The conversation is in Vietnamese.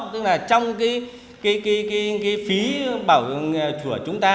tức là trong cái phí bảo chữa chúng ta